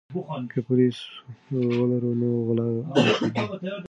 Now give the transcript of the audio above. که پولیس ولرو نو غلا نه کیږي.